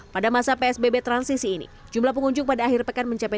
pada masa psbb transisi ini jumlah pengunjung pada akhir pekan mencapai